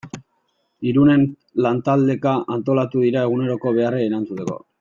Irunen lantaldeka antolatu dira eguneroko beharrei erantzuteko.